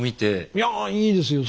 いやいいですよ。